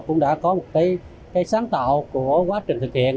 cũng đã có một cái sáng tạo của quá trình thực hiện